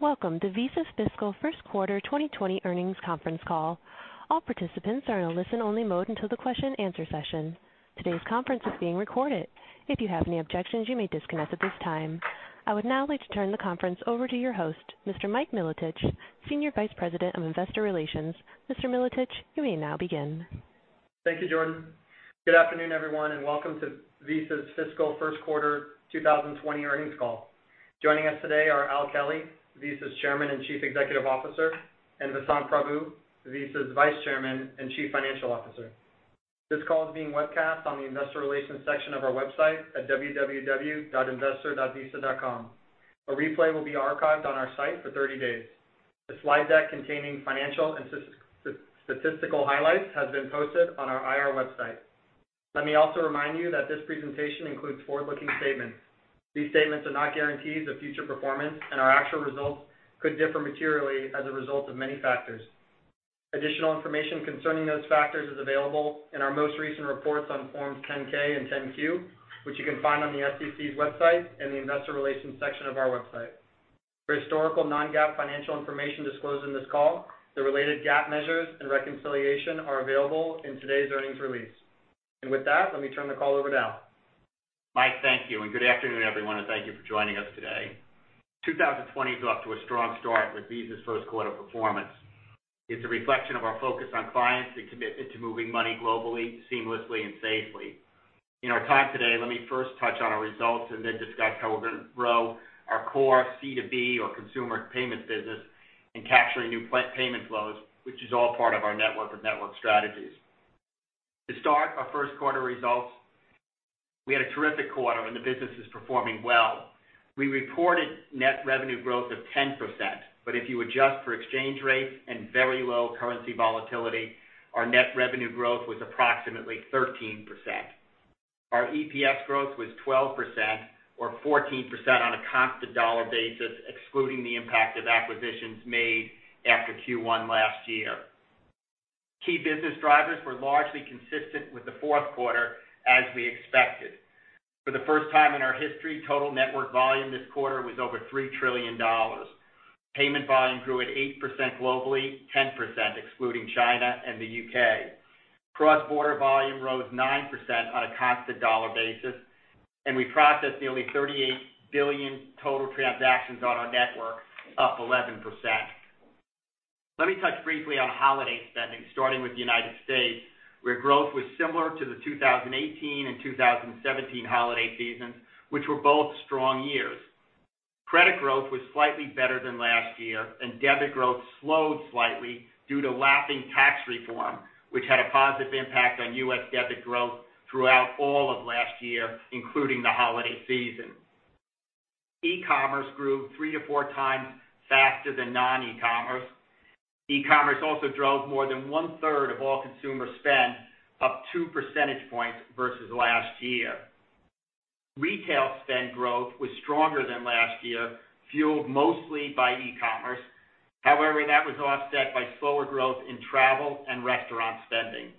Welcome to Visa's fiscal first quarter 2020 earnings conference call. All participants are in a listen-only mode until the question-and-answer session. Today's conference is being recorded. If you have any objections, you may disconnect at this time. I would now like to turn the conference over to your host, Mr. Mike Milotich, Senior Vice President of Investor Relations. Mr. Milotich, you may now begin. Thank you, Jordan. Good afternoon, everyone, and welcome to Visa's fiscal first quarter 2020 earnings call. Joining us today are Al Kelly, Visa's Chairman and Chief Executive Officer, and Vasant Prabhu, Visa's Vice Chairman and Chief Financial Officer. This call is being webcast on the Investor Relations section of our website at www.investor.visa.com. A replay will be archived on our site for 30 days. The slide deck containing financial and statistical highlights has been posted on our IR website. Let me also remind you that this presentation includes forward-looking statements. These statements are not guarantees of future performance, and our actual results could differ materially as a result of many factors. Additional information concerning those factors is available in our most recent reports on forms 10-K and 10-Q, which you can find on the SEC's website and the Investor Relations section of our website. For historical non-GAAP financial information disclosed in this call, the related GAAP measures and reconciliation are available in today's earnings release. With that, let me turn the call over to Al. Mike, thank you. Good afternoon, everyone, and thank you for joining us today. 2020 is off to a strong start with Visa's first quarter performance. It's a reflection of our focus on clients and commitment to moving money globally, seamlessly, and safely. In our time today, let me first touch on our results and then discuss how we're going to grow our core C2B, or consumer payments business, in capturing new payment flows, which is all part of our network of networks strategies. To start, our first quarter results, we had a terrific quarter and the business is performing well. We reported net revenue growth of 10%, but if you adjust for exchange rates and very low currency volatility, our net revenue growth was approximately 13%. Our EPS growth was 12% or 14% on a constant dollar basis, excluding the impact of acquisitions made after Q1 last year. Key business drivers were largely consistent with the fourth quarter as we expected. For the first time in our history, total network volume this quarter was over $3 trillion. Payment volume grew at 8% globally, 10% excluding China and the U.K. Cross-border volume rose 9% on a constant dollar basis, and we processed nearly 38 billion total transactions on our network, up 11%. Let me touch briefly on holiday spending, starting with the United States, where growth was similar to the 2018 and 2017 holiday seasons, which were both strong years. Credit growth was slightly better than last year, and debit growth slowed slightly due to lapping tax reform, which had a positive impact on U.S. debit growth throughout all of last year, including the holiday season. E-commerce grew three to four times faster than non-e-commerce. E-commerce also drove more than 1/3 of all consumer spend up 2 percentage points versus last year. Retail spend growth was stronger than last year, fueled mostly by e-commerce. That was offset by slower growth in travel and restaurant spending.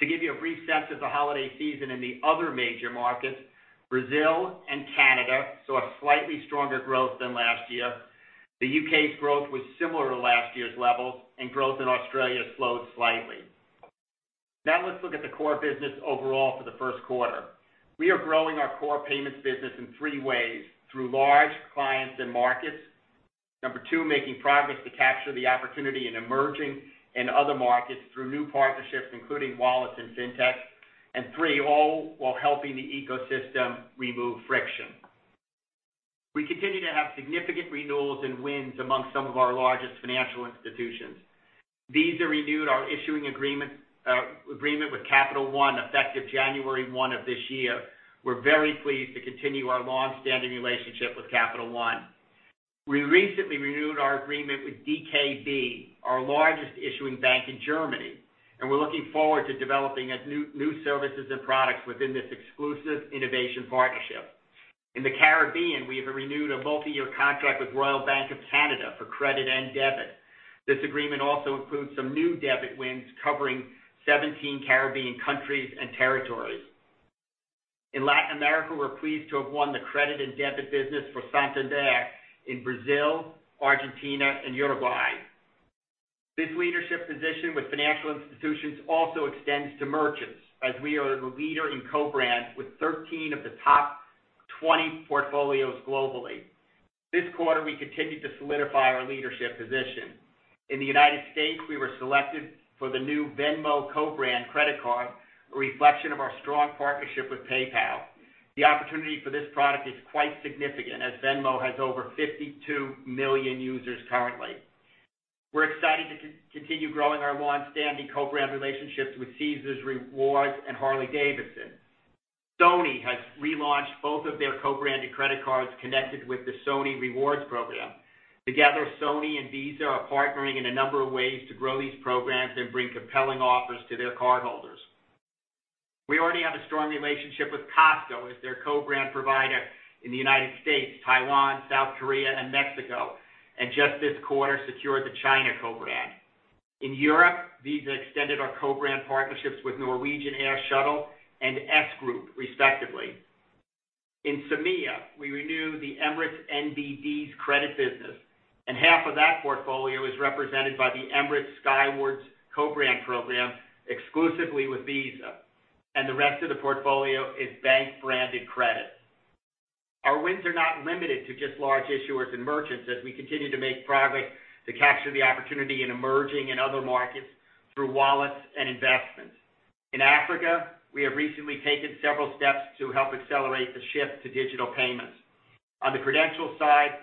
To give you a brief sense of the holiday season in the other major markets, Brazil and Canada saw a slightly stronger growth than last year. The U.K.'s growth was similar to last year's levels, growth in Australia slowed slightly. Let's look at the core business overall for the first quarter. We are growing our core payments business in three ways: through large clients and markets; number two, making progress to capture the opportunity in emerging and other markets through new partnerships, including wallets and fintech; and three, all while helping the ecosystem remove friction. We continue to have significant renewals and wins among some of our largest financial institutions. These are renewed our issuing agreement with Capital One effective January 1st of this year. We're very pleased to continue our long-standing relationship with Capital One. We recently renewed our agreement with DKB, our largest issuing bank in Germany, and we're looking forward to developing new services and products within this exclusive innovation partnership. In the Caribbean, we have renewed a multi-year contract with Royal Bank of Canada for credit and debit. This agreement also includes some new debit wins covering 17 Caribbean countries and territories. In Latin America, we're pleased to have won the credit and debit business for Santander in Brazil, Argentina, and Uruguay. This leadership position with financial institutions also extends to merchants, as we are the leader in co-brand with 13 of the top 20 portfolios globally. This quarter, we continued to solidify our leadership position. In the United States, we were selected for the new Venmo co-brand credit card, a reflection of our strong partnership with PayPal. The opportunity for this product is quite significant as Venmo has over 52 million users currently. We're excited to continue growing our long-standing co-brand relationships with Caesars Rewards and Harley-Davidson. Sony has relaunched both of their co-branded credit cards connected with the Sony Rewards program. Together, Sony and Visa are partnering in a number of ways to grow these programs and bring compelling offers to their cardholders. We already have a strong relationship with Costco as their co-brand provider in the United States, Taiwan, South Korea. Just this quarter, we secured the China co-brand. In Europe, Visa extended our co-brand partnerships with Norwegian Air Shuttle and S Group respectively. In CEMEA, we renew the Emirates NBD's credit business, and half of that portfolio is represented by the Emirates Skywards co-brand program exclusively with Visa, and the rest of the portfolio is bank-branded credit. Our wins are not limited to just large issuers and merchants as we continue to make progress to capture the opportunity in emerging and other markets through wallets and investments. In Africa, we have recently taken several steps to help accelerate the shift to digital payments. On the credential side,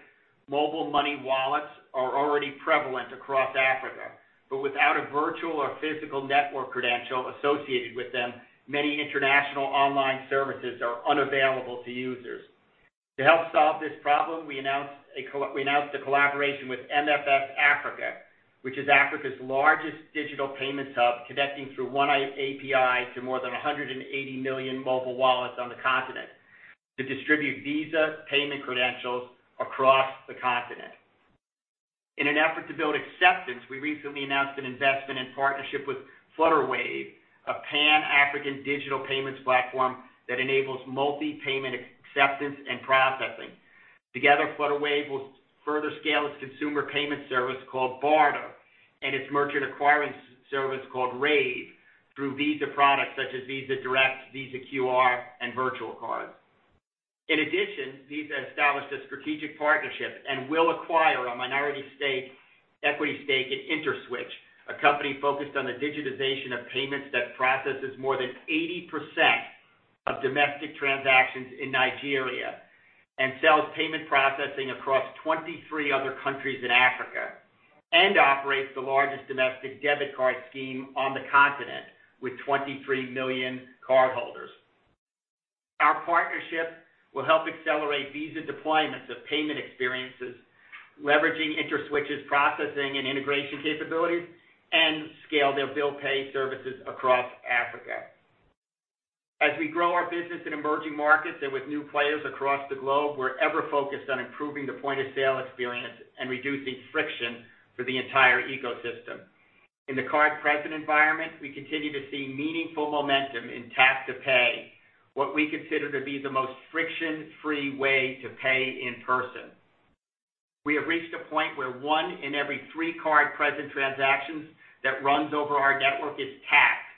mobile money wallets are already prevalent across Africa, but without a virtual or physical network credential associated with them, many international online services are unavailable to users. To help solve this problem, we announced the collaboration with MFS Africa, which is Africa's largest digital payment hub, connecting through one API to more than 180 million mobile wallets on the continent to distribute Visa payment credentials across the continent. In an effort to build acceptance, we recently announced an investment in partnership with Flutterwave, a Pan-African digital payments platform that enables multi-payment acceptance and processing. Together, Flutterwave will further scale its consumer payment service called Barter and its merchant acquiring service called Rave through Visa products such as Visa Direct, Visa QR, and Virtual Cards. In addition, Visa established a strategic partnership and will acquire a minority equity stake in Interswitch, a company focused on the digitization of payments that processes more than 80% of domestic transactions in Nigeria and sells payment processing across 23 other countries in Africa, and operates the largest domestic debit card scheme on the continent with 23 million cardholders. Our partnership will help accelerate Visa deployments of payment experiences, leveraging Interswitch's processing and integration capabilities, and scale their bill pay services across Africa. As we grow our business in emerging markets and with new players across the globe, we're ever focused on improving the point-of-sale experience and reducing friction for the entire ecosystem. In the card-present environment, we continue to see meaningful momentum in tap-to-pay, what we consider to be the most friction-free way to pay in person. We have reached a point where one in every three card-present transactions that runs over our network is tapped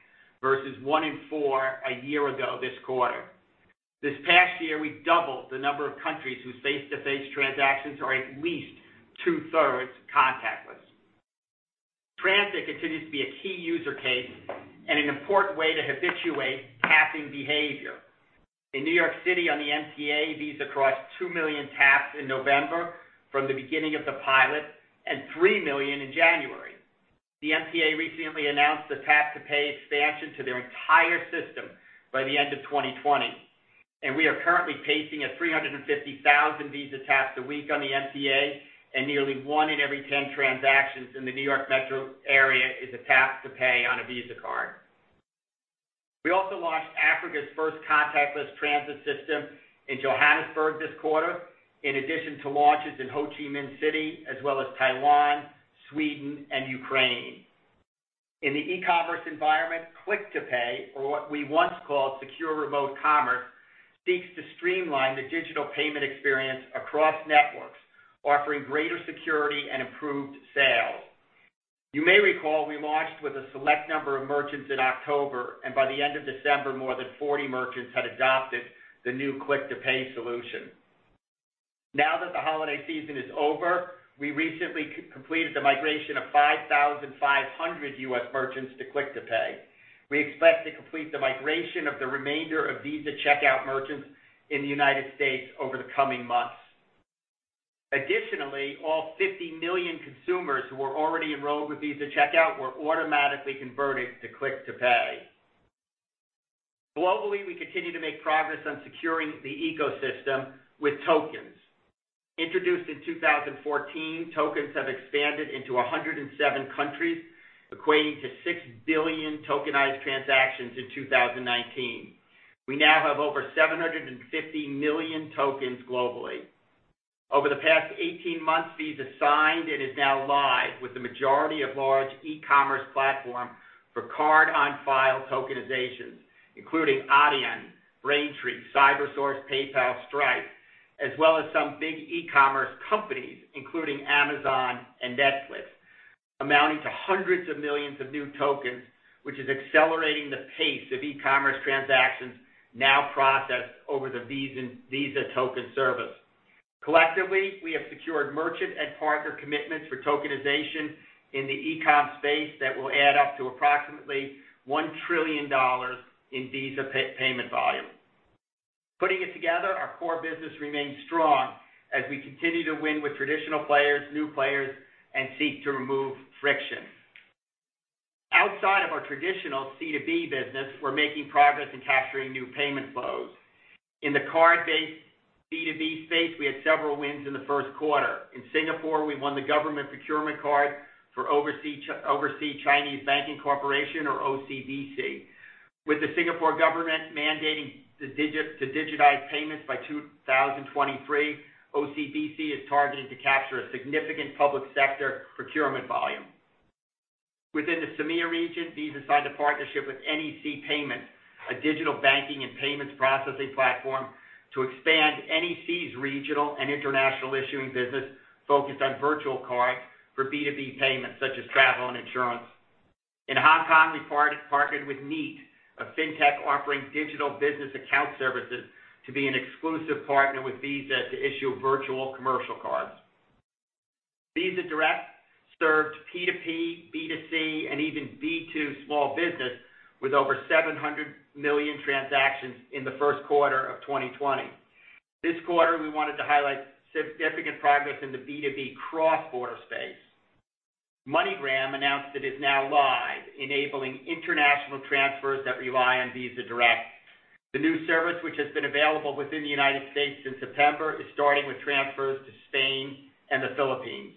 versus one in four a year ago this quarter. This past year, we doubled the number of countries whose face-to-face transactions are at least 2/3 contactless. Transit continues to be a key user case and an important way to habituate tapping behavior. In New York City on the MTA, Visa crossed 2 million taps in November from the beginning of the pilot and 3 million in January. The MTA recently announced the tap-to-pay expansion to their entire system by the end of 2020. We are currently pacing at 350,000 Visa taps a week on the MTA, and nearly one in every 10 transactions in the New York metro area is a tap-to-pay on a Visa card. We also launched Africa's first contactless transit system in Johannesburg this quarter, in addition to launches in Ho Chi Minh City, as well as Taiwan, Sweden, and Ukraine. In the e-commerce environment, Click to Pay, or what we once called Secure Remote Commerce, seeks to streamline the digital payment experience across networks, offering greater security and improved sales. You may recall we launched with a select number of merchants in October, and by the end of December, more than 40 merchants had adopted the new Click to Pay solution. Now that the holiday season is over, we recently completed the migration of 5,500 U.S. merchants to Click to Pay. We expect to complete the migration of the remainder of Visa Checkout merchants in the United States over the coming months. Additionally, all 50 million consumers who were already enrolled with Visa Checkout were automatically converted to Click to Pay. Globally, we continue to make progress on securing the ecosystem with tokens. Introduced in 2014, tokens have expanded into 107 countries, equating to 6 billion tokenized transactions in 2019. We now have over 750 million tokens globally. Over the past 18 months, Visa signed and is now live with the majority of large e-commerce platforms for card on file tokenizations, including Adyen, Braintree, Cybersource, PayPal, Stripe, as well as some big e-commerce companies, including Amazon and Netflix, amounting to hundreds of millions of new tokens, which is accelerating the pace of e-commerce transactions now processed over the Visa Token Service. Collectively, we have secured merchant and partner commitments for tokenization in the e-com space that will add up to approximately $1 trillion in Visa payment volume. Putting it together, our core business remains strong as we continue to win with traditional players, new players, and seek to remove friction. Outside of our traditional C2B business, we're making progress in capturing new payment flows. In the card-based B2B space, we had several wins in the first quarter. In Singapore, we won the government procurement card for Oversea-Chinese Banking Corporation or OCBC. With the Singapore government mandating to digitize payments by 2023, OCBC is targeting to capture a significant public sector procurement volume. Within the CEMEA region, Visa signed a partnership with NEC Payments, a digital banking and payments processing platform to expand NEC's regional and international issuing business focused on virtual cards for B2B payments such as travel and insurance. In Hong Kong, we partnered with Neat, a fintech offering digital business account services, to be an exclusive partner with Visa to issue virtual commercial cards. Visa Direct served P2P, B2C, and even B2B for small business with over 700 million transactions in the first quarter of 2020. This quarter, we wanted to highlight significant progress in the B2B cross-border space. MoneyGram announced it is now live, enabling international transfers that rely on Visa Direct. The new service, which has been available within the United States since September, is starting with transfers to Spain and the Philippines.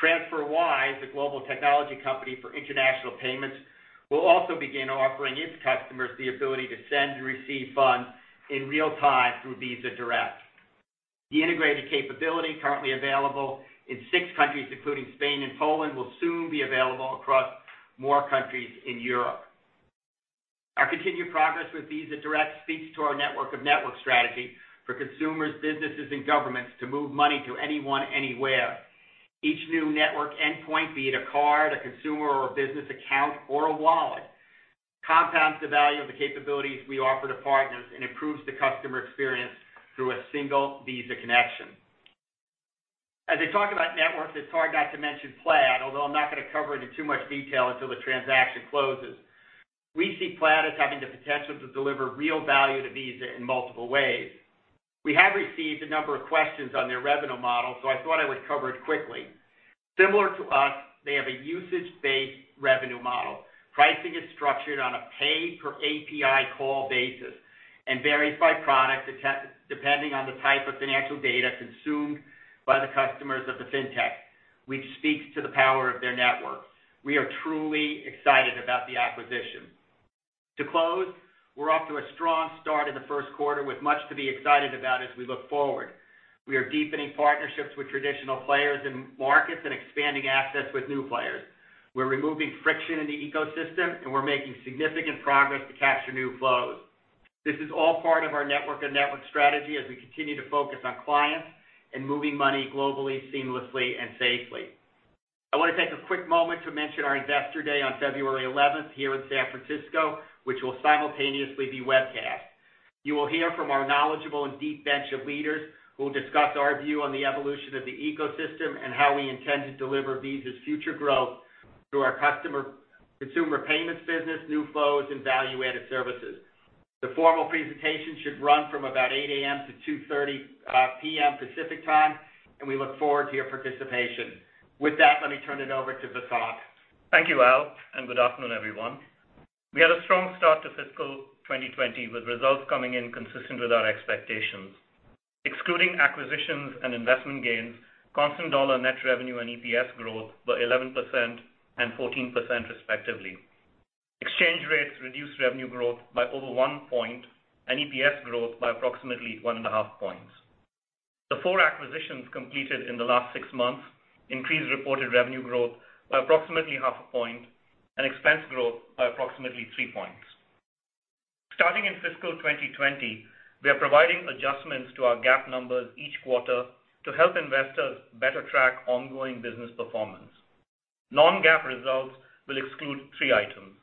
TransferWise, a global technology company for international payments, will also begin offering its customers the ability to send and receive funds in real time through Visa Direct. The integrated capability currently available in six countries, including Spain and Poland, will soon be available across more countries in Europe. Our continued progress with Visa Direct speaks to our network of networks strategy for consumers, businesses, and governments to move money to anyone, anywhere. Each new network endpoint, be it a card, a consumer or a business account, or a wallet, compounds the value of the capabilities we offer to partners and improves the customer experience through a single Visa connection. As I talk about networks, it's hard not to mention Plaid, although I'm not going to cover it in too much detail until the transaction closes. We see Plaid as having the potential to deliver real value to Visa in multiple ways. We have received a number of questions on their revenue model. I thought I would cover it quickly. Similar to us, they have a usage-based revenue model. Pricing is structured on a pay-per-API call basis and varies by product, depending on the type of financial data consumed by the customers of the fintech, which speaks to the power of their network. We are truly excited about the acquisition. To close, we're off to a strong start in the first quarter with much to be excited about as we look forward. We are deepening partnerships with traditional players in markets and expanding access with new players. We're removing friction in the ecosystem, we're making significant progress to capture new flows. This is all part of our network of networks strategy as we continue to focus on clients and moving money globally, seamlessly, and safely. I want to take a quick moment to mention our Investor Day on February 11th, here in San Francisco, which will simultaneously be webcast. You will hear from our knowledgeable and deep bench of leaders who will discuss our view on the evolution of the ecosystem and how we intend to deliver Visa's future growth through our consumer payments business, new flows, and value-added services. The formal presentation should run from about 8:00 A.M. to 2:30 P.M. Pacific Time. We look forward to your participation. With that, let me turn it over to Vasant. Thank you, Al, good afternoon, everyone. We had a strong start to fiscal 2020 with results coming in consistent with our expectations. Excluding acquisitions and investment gains, constant dollar net revenue and EPS growth were 11% and 14% respectively. Exchange rates reduced revenue growth by over 1 point and EPS growth by approximately 1.5 points. The four acquisitions completed in the last six months increased reported revenue growth by approximately 0.5 point and expense growth by approximately 3 points. Starting in fiscal 2020, we are providing adjustments to our GAAP numbers each quarter to help investors better track ongoing business performance. Non-GAAP results will exclude three items.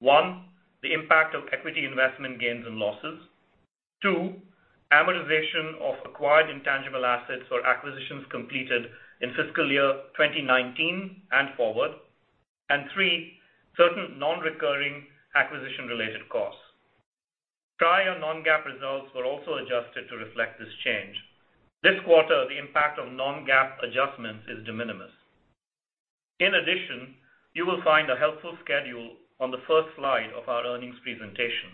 One, the impact of equity investment gains and losses. Two, amortization of acquired intangible assets or acquisitions completed in fiscal year 2019 and forward. Three, certain non-recurring acquisition-related costs. Prior non-GAAP results were also adjusted to reflect this change. This quarter, the impact of non-GAAP adjustments is de minimis. In addition, you will find a helpful schedule on the first slide of our earnings presentation.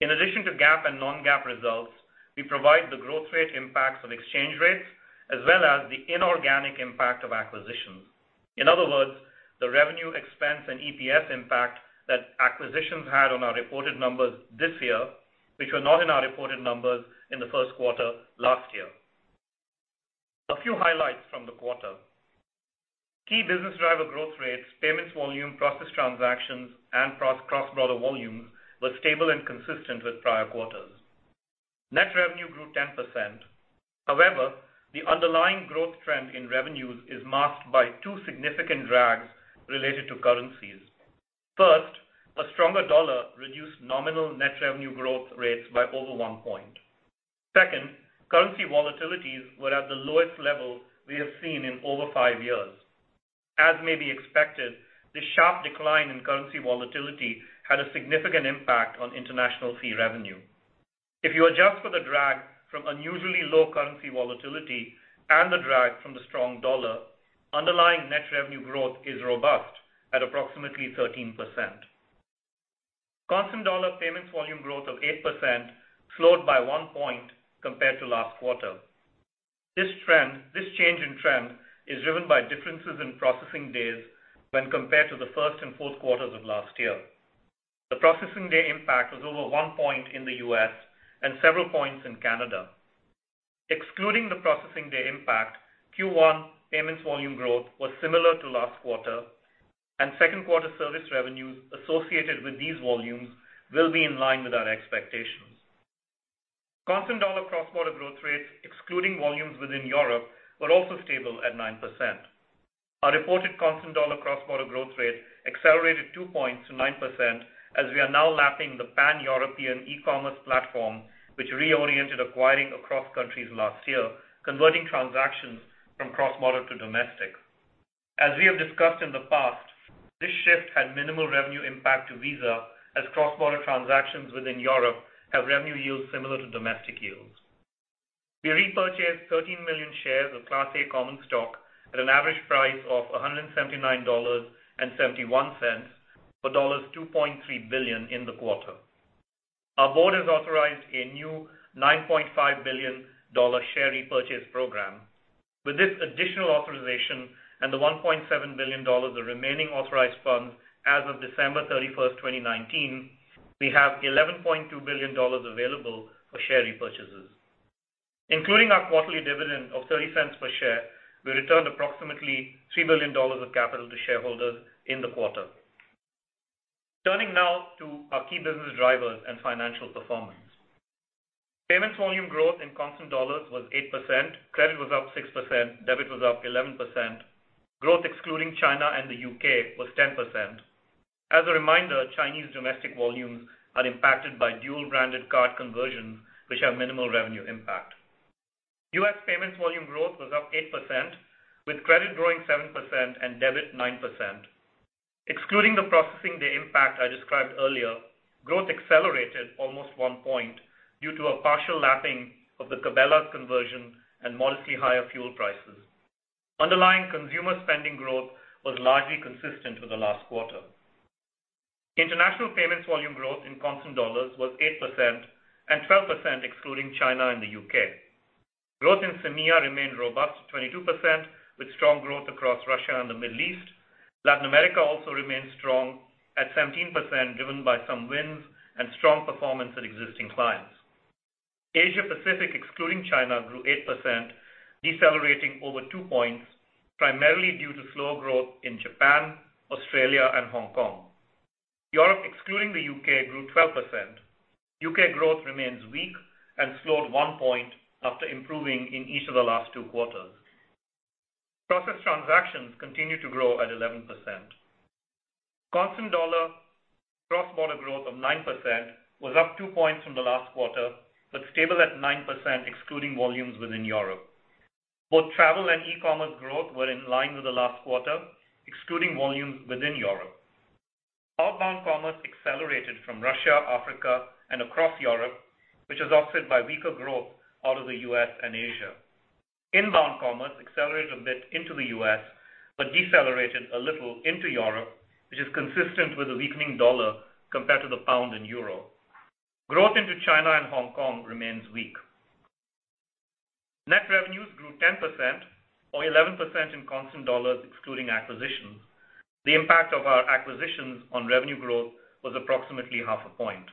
In addition to GAAP and non-GAAP results, we provide the growth rate impacts of exchange rates as well as the inorganic impact of acquisitions. In other words, the revenue expense and EPS impact that acquisitions had on our reported numbers this year, which were not in our reported numbers in the first quarter last year. A few highlights from the quarter. Key business driver growth rates, payments volume, processed transactions, and cross-border volumes were stable and consistent with prior quarters. Net revenue grew 10%. However, the underlying growth trend in revenues is masked by two significant drags related to currencies. First, a stronger dollar reduced nominal net revenue growth rates by over 1 point. Second, currency volatilities were at the lowest level we have seen in over five years. As may be expected, the sharp decline in currency volatility had a significant impact on international fee revenue. If you adjust for the drag from unusually low currency volatility and the drag from the strong dollar, underlying net revenue growth is robust at approximately 13%. Constant dollar payments volume growth of 8% slowed by 1 point compared to last quarter. This change in trend is driven by differences in processing days when compared to the first and fourth quarters of last year. The processing day impact was over 1 point in the U.S. and several points in Canada. Excluding the processing day impact, Q1 payments volume growth was similar to last quarter, and second quarter service revenues associated with these volumes will be in line with our expectations. Constant dollar cross-border growth rates, excluding volumes within Europe, were also stable at 9%. Our reported constant dollar cross-border growth rate accelerated 2 points to 9% as we are now lapping the Pan-European e-commerce platform, which reoriented acquiring across countries last year, converting transactions from cross-border to domestic. As we have discussed in the past, this shift had minimal revenue impact to Visa as cross-border transactions within Europe have revenue yields similar to domestic yields. We repurchased 13 million shares of Class A common stock at an average price of $179.71, for $2.3 billion in the quarter. Our board has authorized a new $9.5 billion share repurchase program. With this additional authorization and the $1.7 billion of remaining authorized funds as of December 31st, 2019, we have $11.2 billion available for share repurchases. Including our quarterly dividend of $0.30 per share, we returned approximately $3 billion of capital to shareholders in the quarter. Turning now to our key business drivers and financial performance. Payments volume growth in constant dollars was 8%, credit was up 6%, debit was up 11%. Growth excluding China and the U.K. was 10%. As a reminder, Chinese domestic volumes are impacted by dual-branded card conversions, which have minimal revenue impact. U.S. payments volume growth was up 8%, with credit growing 7% and debit 9%. Excluding the processing day impact I described earlier, growth accelerated almost 1 point due to a partial lapping of the Cabela's conversion and modestly higher fuel prices. Underlying consumer spending growth was largely consistent with the last quarter. International payments volume growth in constant dollars was 8% and 12% excluding China and the U.K. Growth in CEMEA remained robust at 22%, with strong growth across Russia and the Middle East. Latin America also remained strong at 17%, driven by some wins and strong performance at existing clients. Asia-Pacific, excluding China, grew 8%, decelerating over 2 points, primarily due to slower growth in Japan, Australia, and Hong Kong. Europe, excluding the U.K., grew 12%. U.K. growth remains weak and slowed 1 point after improving in each of the last two quarters. Processed transactions continued to grow at 11%. Constant dollar cross-border growth of 9% was up 2 points from the last quarter, but stable at 9% excluding volumes within Europe. Both travel and e-commerce growth were in line with the last quarter, excluding volumes within Europe. Outbound commerce accelerated from Russia, Africa, and across Europe, which was offset by weaker growth out of the U.S. and Asia. Inbound commerce accelerated a bit into the U.S., but decelerated a little into Europe, which is consistent with the weakening dollar compared to the pound and euro. Growth into China and Hong Kong remains weak. Net revenues grew 10% or 11% in constant dollars excluding acquisitions. The impact of our acquisitions on revenue growth was approximately 0.5 point.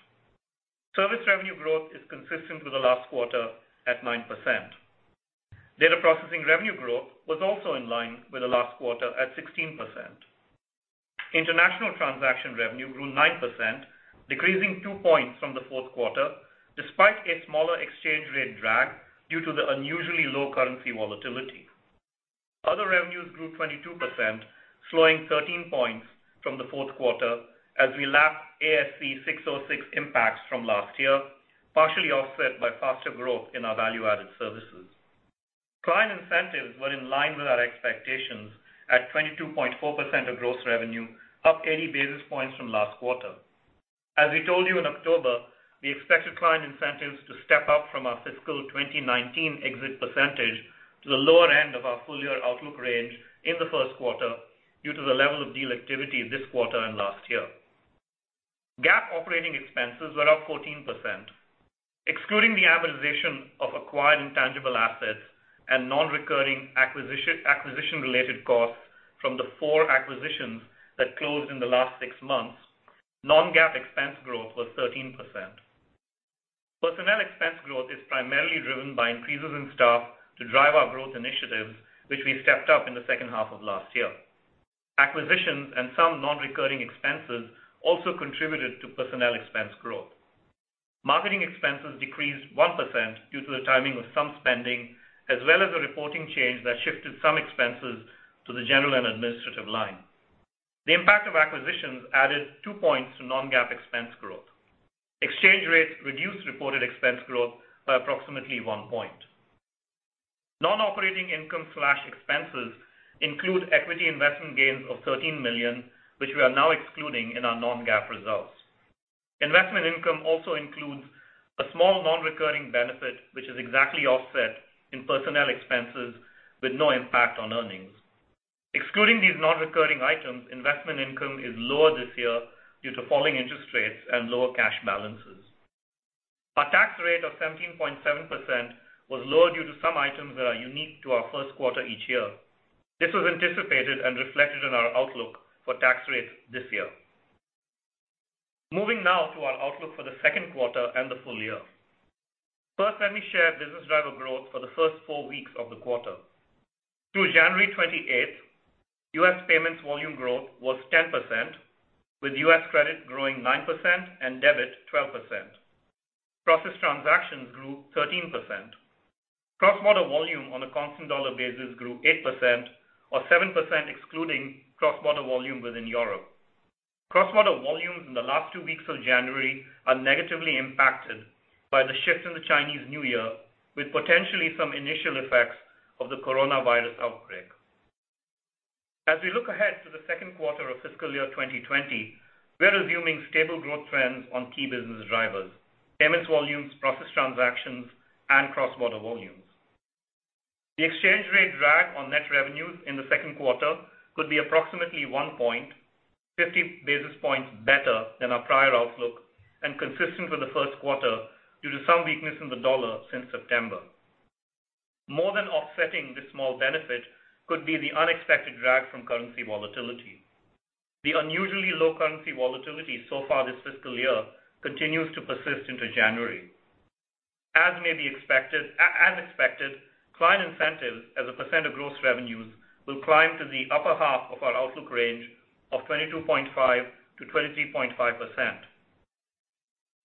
Service revenue growth is consistent with the last quarter at 9%. Data processing revenue growth was also in line with the last quarter at 16%. International transaction revenue grew 9%, decreasing 2 points from the fourth quarter, despite a smaller exchange rate drag due to the unusually low currency volatility. Other revenues grew 22%, slowing 13 points from the fourth quarter as we lapped ASC 606 impacts from last year, partially offset by faster growth in our value-added services. Client incentives were in line with our expectations at 22.4% of gross revenue, up 80 basis points from last quarter. As we told you in October, we expected client incentives to step up from our fiscal 2019 exit percentage to the lower end of our full-year outlook range in the first quarter due to the level of deal activity this quarter and last year. GAAP operating expenses were up 14%. Excluding the amortization of acquired intangible assets and non-recurring acquisition-related costs from the four acquisitions that closed in the last six months, non-GAAP expense growth was 13%. Personnel expense growth is primarily driven by increases in staff to drive our growth initiatives, which we stepped up in the second half of last year. Acquisitions and some non-recurring expenses also contributed to personnel expense growth. Marketing expenses decreased 1% due to the timing of some spending, as well as a reporting change that shifted some expenses to the general and administrative line. The impact of acquisitions added 2 points to non-GAAP expense growth. Exchange rates reduced reported expense growth by approximately 1 point. Non-operating income/expenses include equity investment gains of $13 million, which we are now excluding in our non-GAAP results. Investment income also includes a small non-recurring benefit, which is exactly offset in personnel expenses with no impact on earnings. Excluding these non-recurring items, investment income is lower this year due to falling interest rates and lower cash balances. Our tax rate of 17.7% was lower due to some items that are unique to our first quarter each year. This was anticipated and reflected in our outlook for tax rates this year. Moving now to our outlook for the second quarter and the full-year. First, let me share business driver growth for the first four weeks of the quarter. Through January 28th, US payments volume growth was 10%, with U.S. Credit growing 9% and debit 12%. Processed transactions grew 13%. Cross-border volume on a constant dollar basis grew 8%, or 7% excluding cross-border volume within Europe. Cross-border volumes in the last two weeks of January are negatively impacted by the shift in the Chinese New Year, with potentially some initial effects of the coronavirus outbreak. As we look ahead to the second quarter of fiscal year 2020, we are resuming stable growth trends on key business drivers, payments volumes, processed transactions, and cross-border volumes. The exchange rate drag on net revenues in the second quarter could be approximately 1 point, 50 basis points better than our prior outlook and consistent with the first quarter due to some weakness in the dollar since September. More than offsetting this small benefit could be the unexpected drag from currency volatility. The unusually low currency volatility so far this fiscal year continues to persist into January. As expected, client incentives as a percent of gross revenues will climb to the upper half of our outlook range of 22.5%-23.5%.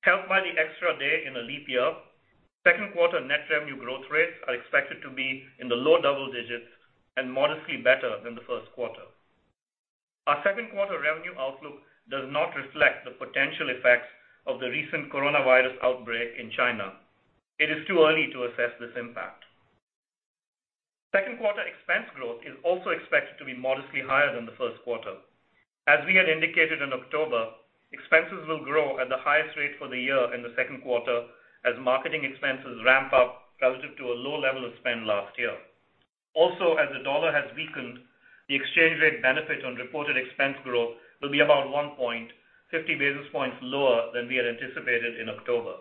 Helped by the extra day in a leap year, second quarter net revenue growth rates are expected to be in the low double digits and modestly better than the first quarter. Our second-quarter revenue outlook does not reflect the potential effects of the recent coronavirus outbreak in China. It is too early to assess this impact. Second quarter expense growth is also expected to be modestly higher than the first quarter. As we had indicated in October, expenses will grow at the highest rate for the year in the second quarter as marketing expenses ramp up relative to a low level of spend last year. Also, as the dollar has weakened, the exchange rate benefit on reported expense growth will be about 1 point, 50 basis points lower than we had anticipated in October.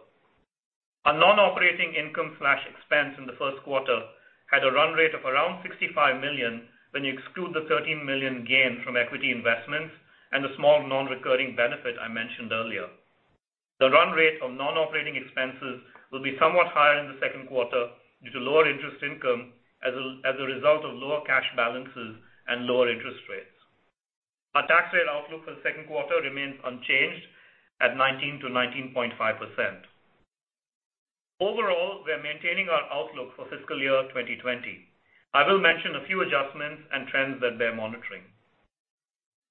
Our non-operating income/expense in the first quarter had a run rate of around $65 million when you exclude the $13 million gain from equity investments and the small non-recurring benefit I mentioned earlier. The run rate of non-operating expenses will be somewhat higher in the second quarter due to lower interest income as a result of lower cash balances and lower interest rates. Our tax rate outlook for the second quarter remains unchanged at 19%-19.5%. Overall, we are maintaining our outlook for fiscal year 2020. I will mention a few adjustments and trends that we are monitoring.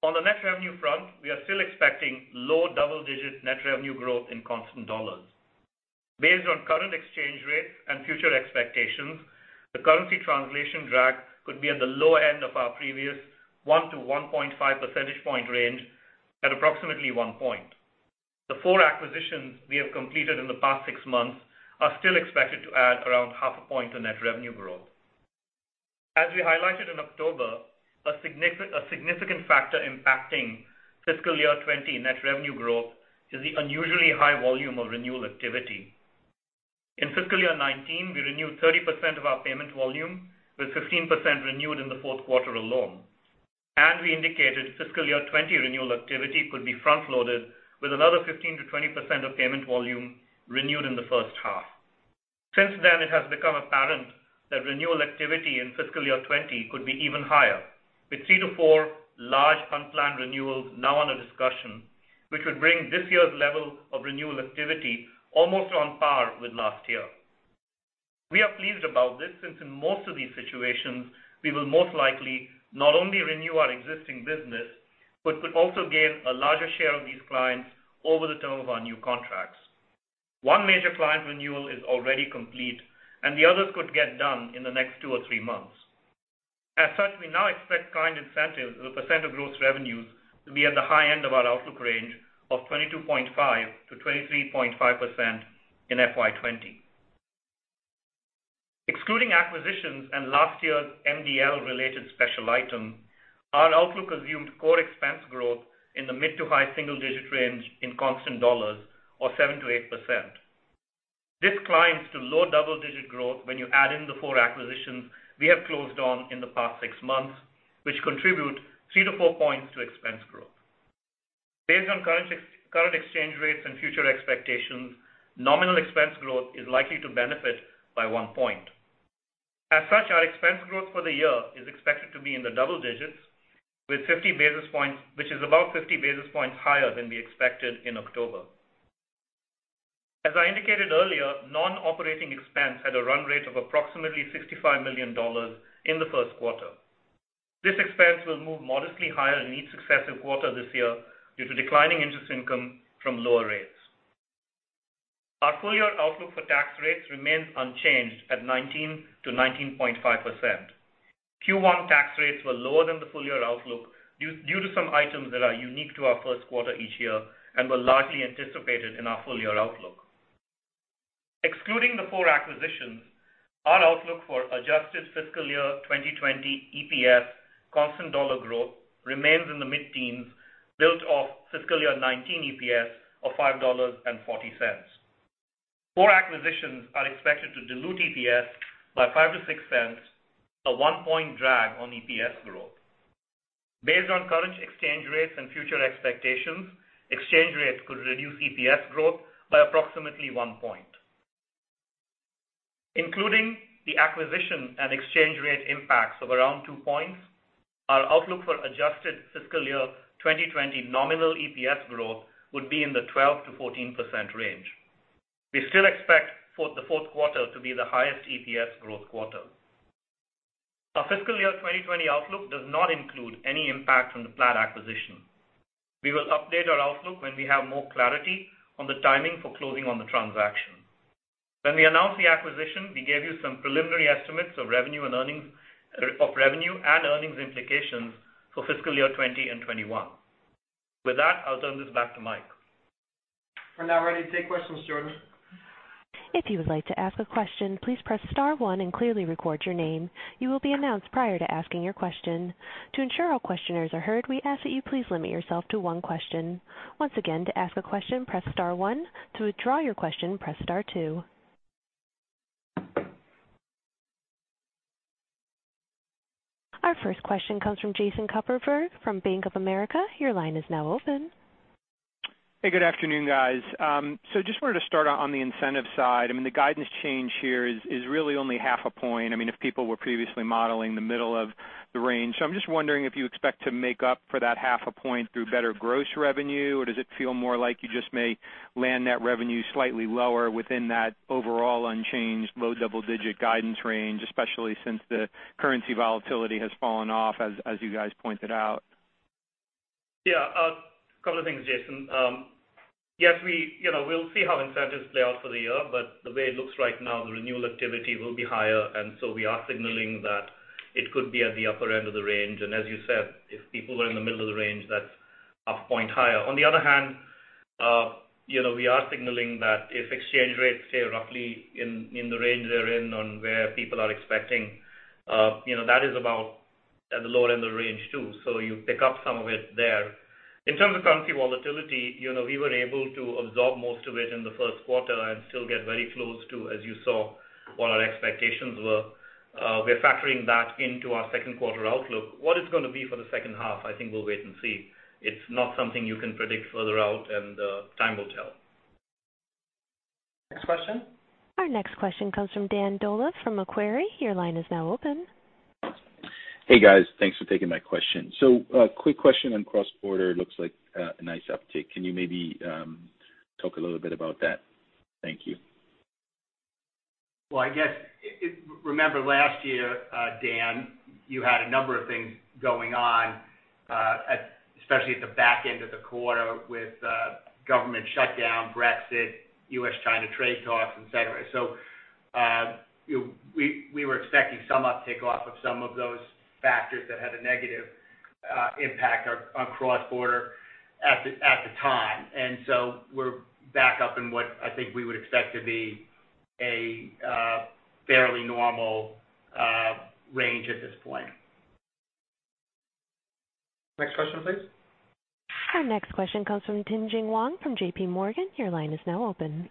On the net revenue front, we are still expecting low double-digit net revenue growth in constant dollars. Based on current exchange rates and future expectations, the currency translation drag could be at the low end of our previous 1-1.5 percentage point range at approximately 1 point. The four acquisitions we have completed in the past six months are still expected to add around 0.5 point to net revenue growth. As we highlighted in October, a significant factor impacting fiscal year 2020 net revenue growth is the unusually high volume of renewal activity. In fiscal year 2019, we renewed 30% of our payment volume, with 15% renewed in the fourth quarter alone. We indicated fiscal year 2020 renewal activity could be front-loaded with another 15%-20% of payment volume renewed in the first half. Since then, it has become apparent that renewal activity in fiscal year 2020 could be even higher, with three to four large unplanned renewals now under discussion, which would bring this year's level of renewal activity almost on par with last year. We are pleased about this, since in most of these situations, we will most likely not only renew our existing business, but could also gain a larger share of these clients over the term of our new contracts. One major client renewal is already complete, and the others could get done in the next two or three months. As such, we now expect client incentives as a percent of gross revenues to be at the high end of our outlook range of 22.5%-23.5% in FY 2020. Excluding acquisitions and last year's MDL-related special item, our outlook assumed core expense growth in the mid to high single-digit range in constant dollars or 7%-8%. This climbs to low double-digit growth when you add in the four acquisitions we have closed on in the past six months, which contribute 3-4 points to expense growth. Based on current exchange rates and future expectations, nominal expense growth is likely to benefit by 1 point. As such, our expense growth for the year is expected to be in the double digits, which is about 50 basis points higher than we expected in October. As I indicated earlier, non-operating expense had a run rate of approximately $65 million in the first quarter. This expense will move modestly higher in each successive quarter this year due to declining interest income from lower rates. Our full-year outlook for tax rates remains unchanged at 19%-19.5%. Q1 tax rates were lower than the full-year outlook due to some items that are unique to our first quarter each year and were largely anticipated in our full-year outlook. Excluding the four acquisitions, our outlook for adjusted fiscal year 2020 EPS constant dollar growth remains in the mid-teens, built off FY 2019 EPS of $5.40. Four acquisitions are expected to dilute EPS by $0.05-$0.06, a 1-point drag on EPS growth. Based on current exchange rates and future expectations, exchange rates could reduce EPS growth by approximately 1 point. Including the acquisition and exchange rate impacts of around 2 points, our outlook for adjusted fiscal year 2020 nominal EPS growth would be in the 12%-14% range. We still expect the fourth quarter to be the highest EPS growth quarter. Our fiscal year 2020 outlook does not include any impact from the Plaid acquisition. We will update our outlook when we have more clarity on the timing for closing on the transaction. When we announced the acquisition, we gave you some preliminary estimates of revenue and earnings implications for fiscal year 2020 and 2021. With that, I'll turn this back to Mike. We're now ready to take questions, Jordan. If you would like to ask a question, please press star one and clearly record your name. You will be announced prior to asking your question. To ensure all questioners are heard, we ask that you please limit yourself to one question. Once again, to ask a question, press star one. To withdraw your question, press star two. Our first question comes from Jason Kupferberg from Bank of America. Your line is now open. Hey, good afternoon, guys. Just wanted to start on the incentive side. I mean, the guidance change here is really only 0.5 point. If people were previously modeling the middle of the range. I'm just wondering if you expect to make up for that 0.5 point through better gross revenue, or does it feel more like you just may land that revenue slightly lower within that overall unchanged low double-digit guidance range, especially since the currency volatility has fallen off, as you guys pointed out? A couple of things, Jason. We'll see how incentives play out for the year, but the way it looks right now, the renewal activity will be higher. We are signaling that it could be at the upper end of the range. As you said, if people were in the middle of the range, that's a point higher. On the other hand, we are signaling that if exchange rates stay roughly in the range they're in on where people are expecting, that is about at the lower end of the range, too. You pick up some of it there. In terms of currency volatility, we were able to absorb most of it in the first quarter and still get very close to, as you saw, what our expectations were. We're factoring that into our second quarter outlook. What it's going to be for the second half, I think we'll wait and see. It's not something you can predict further out, and time will tell. Next question? Our next question comes from Dan Dolev from Macquarie. Your line is now open. Hey, guys. Thanks for taking my question. A quick question on cross-border. It looks like a nice uptick. Can you maybe talk a little bit about that? Thank you. I guess, remember last year, Dan, you had a number of things going on, especially at the back end of the quarter with government shutdown, Brexit, U.S.-China trade talks, etc. We're back up in what I think we would expect to be a fairly normal range at this point. Next question, please. Our next question comes from Tien-Tsin Huang from JPMorgan. Your line is now open.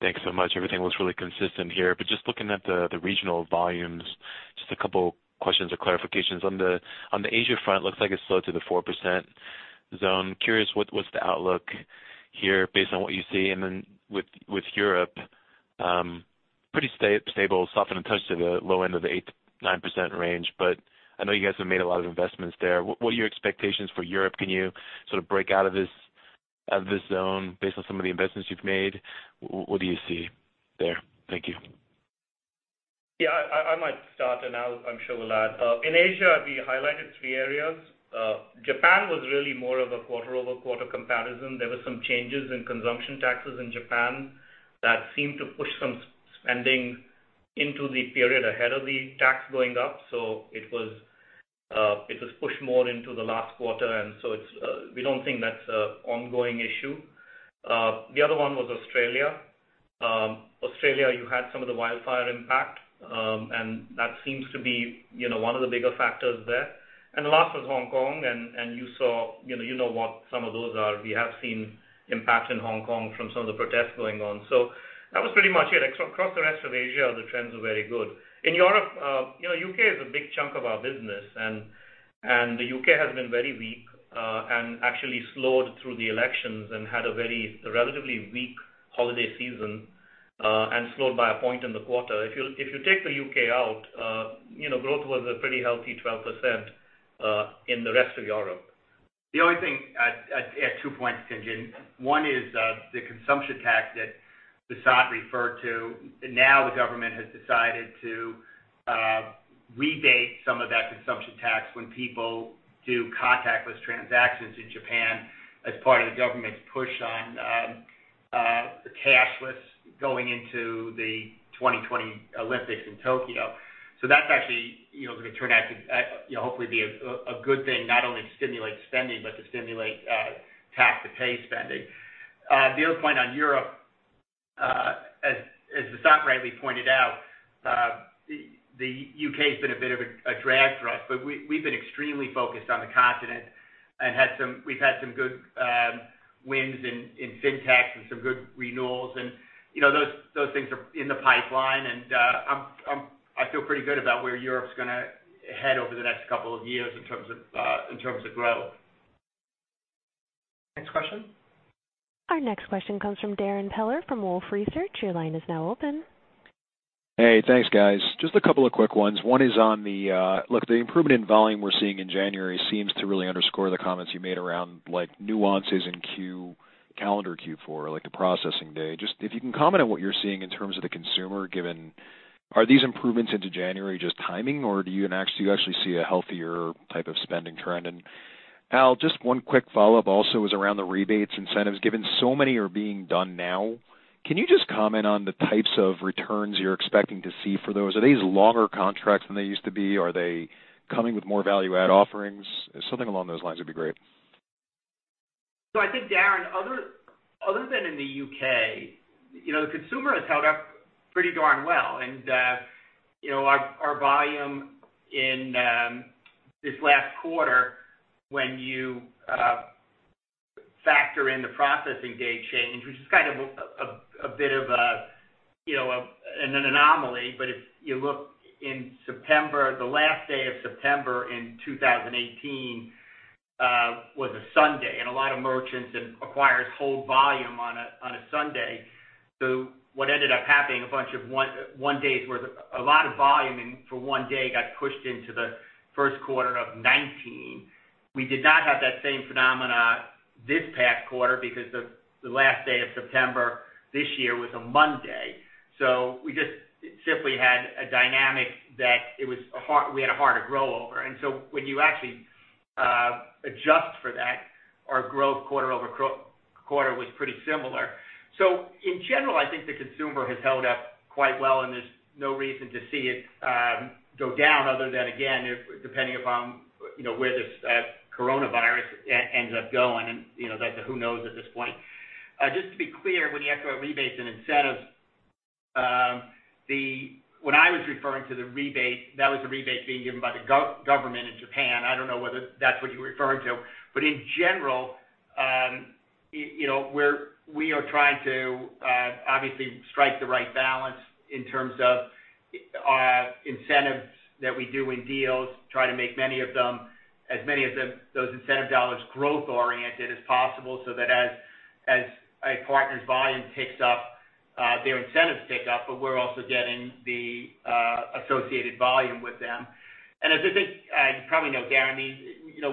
Thanks so much. Everything looks really consistent here, but just looking at the regional volumes, just a couple questions or clarifications. On the Asia front, looks like it slowed to the 4% zone. Curious, what's the outlook here based on what you see? With Europe, pretty stable. It softened a touch to the low end of the 8%-9% range, but I know you guys have made a lot of investments there. What are your expectations for Europe? Can you sort of break out of this zone based on some of the investments you've made? What do you see there? Thank you. I might start, and Al, I'm sure, will add. In Asia, we highlighted three areas. Japan was really more of a quarter-over-quarter comparison. There were some changes in consumption taxes in Japan that seemed to push some spending into the period ahead of the tax going up. It was pushed more into the last quarter, we don't think that's an ongoing issue. The other one was Australia. Australia, you had some of the wildfire impact, and that seems to be one of the bigger factors there. The last was Hong Kong, and you know what some of those are. We have seen impact in Hong Kong from some of the protests going on. That was pretty much it. Across the rest of Asia, the trends are very good. In Europe, U.K. is a big chunk of our business, and the U.K. has been very weak and actually slowed through the elections and had a very relatively weak holiday season, and slowed by a point in the quarter. If you take the U.K. out, growth was a pretty healthy 12% in the rest of Europe. The only thing, I add 2 points, Tien-Tsin. One is the consumption tax that Vasant referred to. The government has decided to rebate some of that consumption tax when people do contactless transactions in Japan as part of the government's push on the cashless going into the 2020 Olympics in Tokyo. That's actually going to turn out to hopefully be a good thing, not only to stimulate spending, but to stimulate tax to pay spending. The other point on Europe, as Vasant rightly pointed out. The U.K. has been a bit of a drag for us, but we've been extremely focused on the continent and we've had some good wins in Fintech and some good renewals and those things are in the pipeline, and I feel pretty good about where Europe's going to head over the next couple of years in terms of growth. Next question? Our next question comes from Darrin Peller from Wolfe Research. Your line is now open. Hey, thanks guys. Just a couple of quick ones. One is on the look, the improvement in volume we're seeing in January seems to really underscore the comments you made around like nuances in calendar Q4, like the processing day. If you can comment on what you're seeing in terms of the consumer, are these improvements into January just timing, or do you actually see a healthier type of spending trend? Al, just one quick follow-up also is around the rebates incentives. Given so many are being done now, can you just comment on the types of returns you're expecting to see for those? Are these longer contracts than they used to be? Are they coming with more value add offerings? Something along those lines would be great. I think Darrin, other than in the U.K., the consumer has held up pretty darn well. Our volume in this last quarter, when you factor in the processing day change, which is kind of a bit of an anomaly. If you look in September, the last day of September in 2018, was a Sunday, and a lot of merchants and acquirers hold volume on a Sunday. What ended up happening, a bunch of one days worth, a lot of volume for one day got pushed into the first quarter of 2019. We did not have that same phenomenon this past quarter because the last day of September this year was a Monday. We just simply had a dynamic that we had a harder grow over. When you actually adjust for that, our growth quarter-over-quarter was pretty similar. In general, I think the consumer has held up quite well and there's no reason to see it go down other than, again, depending upon where this coronavirus ends up going. Who knows at this point. Just to be clear, when you ask about rebates and incentives, when I was referring to the rebate, that was the rebate being given by the government in Japan. I don't know whether that's what you were referring to, but in general we are trying to obviously strike the right balance in terms of incentives that we do in deals, try to make as many of those incentive dollars growth-oriented as possible so that as a partner's volume ticks up, their incentives tick up, but we're also getting the associated volume with them. As I think you probably know, Darrin,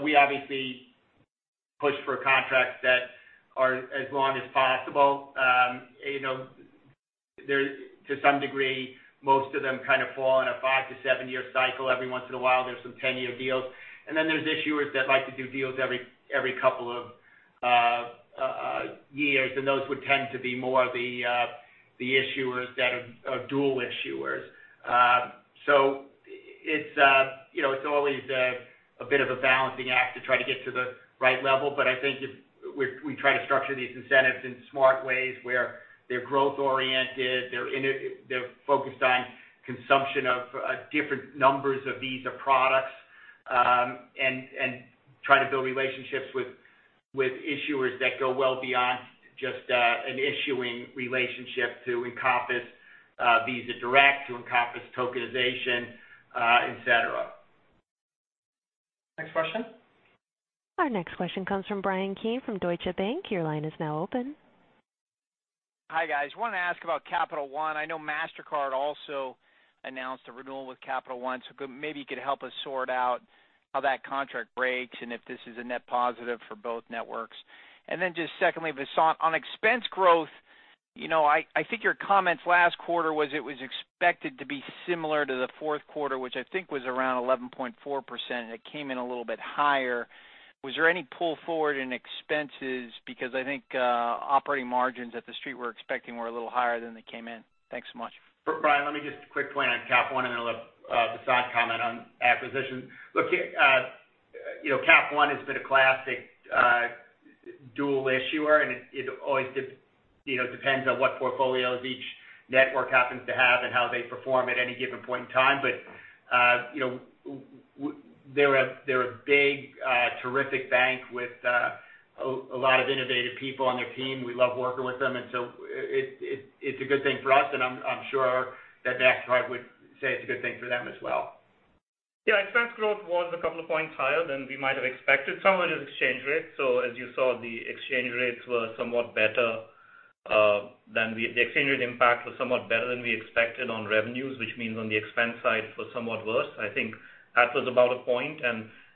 we obviously push for contracts that are as long as possible. To some degree, most of them kind of fall in a five to seven-year cycle. Every once in a while, there's some 10-year deals, and then there's issuers that like to do deals every couple of years, and those would tend to be more the issuers that are dual issuers. It's always a bit of a balancing act to try to get to the right level. I think we try to structure these incentives in smart ways where they're growth oriented, they're focused on consumption of different numbers of Visa products, and try to build relationships with issuers that go well beyond just an issuing relationship to encompass Visa Direct, to encompass tokenization, etc. Next question? Our next question comes from Bryan Keane from Deutsche Bank. Your line is now open. Hi guys. Wanted to ask about Capital One. I know Mastercard also announced a renewal with Capital One. Maybe you could help us sort out how that contract breaks and if this is a net positive for both networks. Then just secondly, Vasant, on expense growth I think your comments last quarter was it was expected to be similar to the fourth quarter, which I think was around 11.4%, and it came in a little bit higher. Was there any pull forward in expenses? I think operating margins that the Street were expecting were a little higher than they came in. Thanks so much. Bryan, let me just quick point on Capital One and then let Vasant comment on acquisition. Look, Capital One has been a classic dual issuer and it always depends on what portfolios each network happens to have and how they perform at any given point in time. They're a big, terrific bank with a lot of innovative people on their team. We love working with them, and so it's a good thing for us, and I'm sure that Mastercard would say it's a good thing for them as well. Expense growth was a couple of points higher than we might have expected. Some of it is exchange rates. As you saw, the exchange rates were somewhat better. The exchange rate impact was somewhat better than we expected on revenues, which means on the expense side it was somewhat worse, I think that was about a point.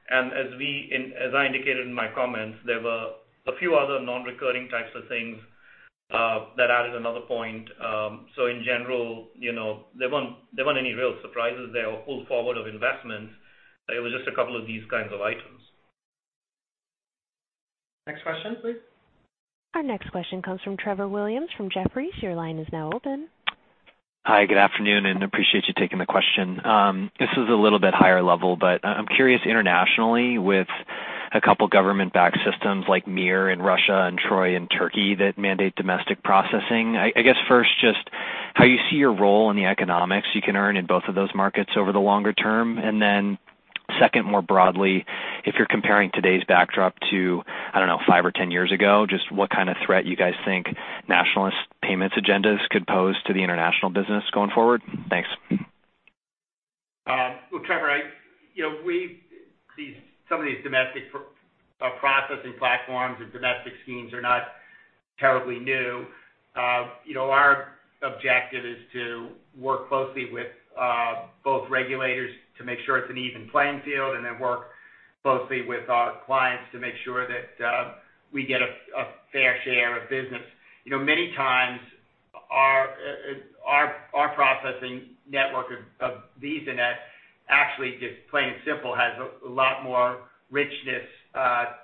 As I indicated in my comments, there were a few other non-recurring types of things that added another point. In general there weren't any real surprises there or pull forward of investments. It was just a couple of these kinds of items. Next question, please. Our next question comes from Trevor Williams from Jefferies. Your line is now open. Hi, good afternoon, and appreciate you taking the question. This is a little bit higher level, but I'm curious internationally with a couple of government-backed systems like Mir in Russia and TROY in Türkiye that mandate domestic processing. I guess first, just how you see your role in the economics you can earn in both of those markets over the longer term. Second, more broadly, if you're comparing today's backdrop to, I don't know, five or 10 years ago, just what kind of threat you guys think nationalist payments agendas could pose to the international business going forward? Thanks. Trevor, some of these domestic processing platforms or domestic schemes are not terribly new. Our objective is to work closely with both regulators to make sure it's an even playing field, and then work closely with our clients to make sure that we get a fair share of business. Many times, our processing network of VisaNet actually just plain and simple, has a lot more richness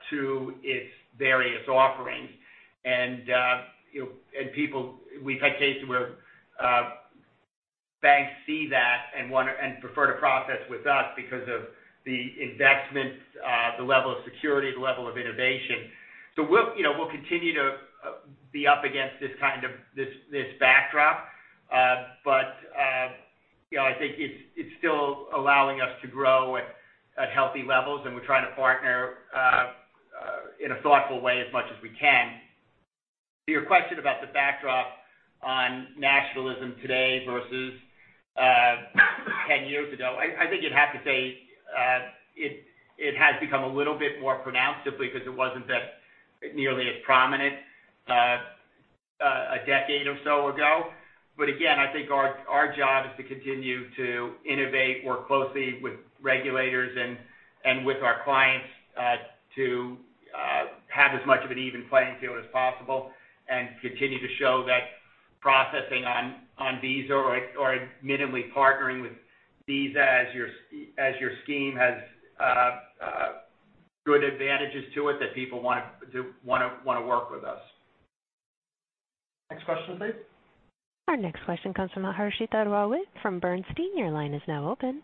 to its various offerings. We've had cases where banks see that and prefer to process with us because of the investments, the level of security, the level of innovation. We'll continue to be up against this kind of backdrop. I think it's still allowing us to grow at healthy levels, and we're trying to partner in a thoughtful way as much as we can. To your question about the backdrop on nationalism today versus 10 years ago, I think you'd have to say it has become a little bit more pronounced simply because it wasn't that nearly as prominent a decade or so ago. Again, I think our job is to continue to innovate, work closely with regulators and with our clients to have as much of an even playing field as possible and continue to show that processing on Visa or admittedly partnering with Visa as your scheme has good advantages to it that people want to work with us. Next question, please. Our next question comes from Harshita Rawat from Bernstein. Your line is now open.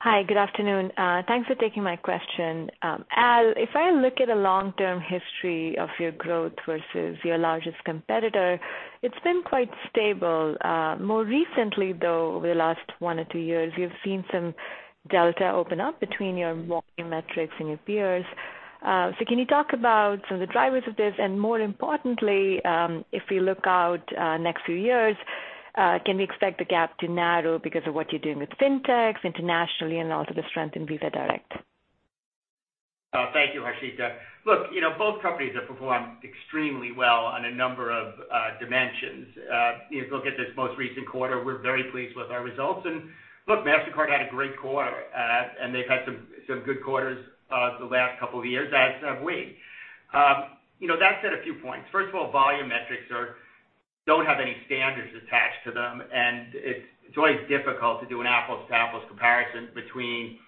Hi, good afternoon. Thanks for taking my question. Al, if I look at a long-term history of your growth versus your largest competitor, it's been quite stable. More recently, though, over the last one or two years, we've seen some delta open up between your volume metrics and your peers'. Can you talk about some of the drivers of this? More importantly, if we look out next few years, can we expect the gap to narrow because of what you're doing with fintechs internationally and also the strength in Visa Direct? Thank you, Harshita. Look, both companies have performed extremely well on a number of dimensions. If you look at this most recent quarter, we're very pleased with our results. Look, Mastercard had a great quarter, and they've had some good quarters the last couple of years, as have we. That said, a few points. First of all, volume metrics don't have any standards attached to them, and it's always difficult to do an apples-to-apples comparison between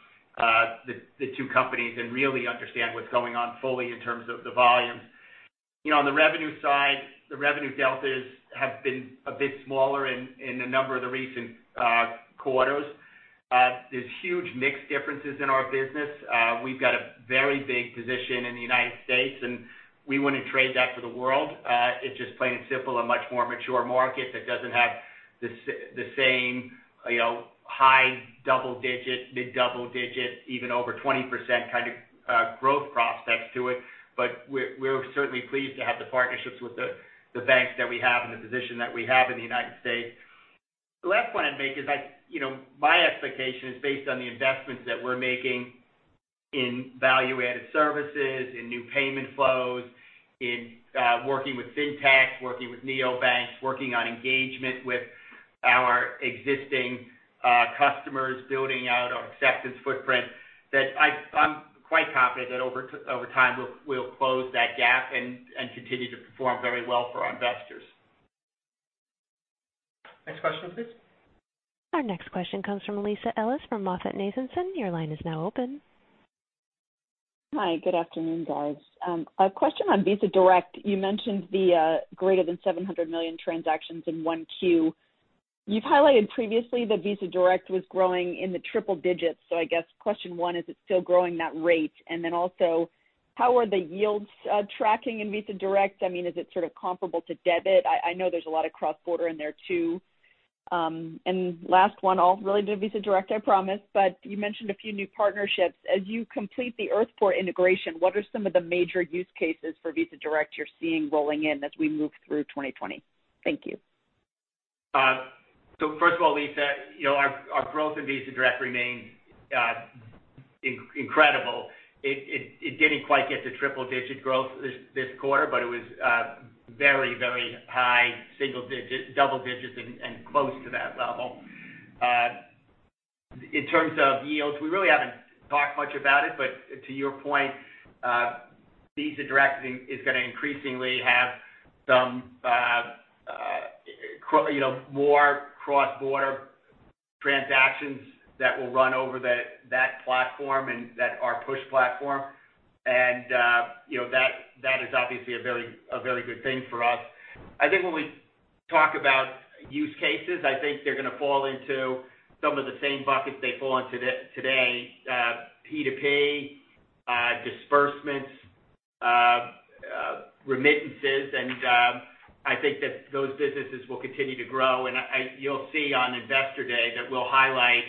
the two companies and really understand what's going on fully in terms of the volume. On the revenue side, the revenue deltas have been a bit smaller in a number of the recent quarters. There's huge mix differences in our business. We've got a very big position in the United States, and we wouldn't trade that for the world. It's just plain and simple, a much more mature market that doesn't have the same high double-digit, mid-double-digit, even over 20% kind of growth prospects to it. We're certainly pleased to have the partnerships with the banks that we have and the position that we have in the U.S. The last point I'd make is my expectation is based on the investments that we're making in value-added services, in new payment flows, in working with fintech, working with neobanks, working on engagement with our existing customers, building out our acceptance footprint. I'm quite confident that over time, we'll close that gap and continue to perform very well for our investors. Next question, please. Our next question comes from Lisa Ellis from MoffettNathanson. Your line is now open. Hi, good afternoon, guys. A question on Visa Direct. You mentioned the greater than $700 million transactions in 1Q. You've highlighted previously that Visa Direct was growing in the triple digits. I guess question one, is it still growing that rate? How are the yields tracking in Visa Direct? I mean, is it sort of comparable to debit? I know there's a lot of cross-border in there too. Last one, all related to Visa Direct, I promise, but you mentioned a few new partnerships. As you complete the Earthport integration, what are some of the major use cases for Visa Direct you're seeing rolling in as we move through 2020? Thank you. First of all, Lisa, our growth in Visa Direct remains incredible. It didn't quite get to triple-digit growth this quarter, but it was very high double digits and close to that level. In terms of yields, we really haven't talked much about it. To your point, Visa Direct is going to increasingly have some more cross-border transactions that will run over that platform and that are push platform. That is obviously a very good thing for us. I think when we talk about use cases. I think they're going to fall into some of the same buckets they fall on today, P2P, disbursements, remittances. I think that those businesses will continue to grow. You'll see on Investor Day that we'll highlight